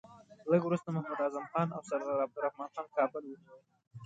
لږ وروسته محمد اعظم خان او سردار عبدالرحمن خان کابل ونیوی.